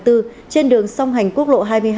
trên đường song hành quốc lộ hai mươi hai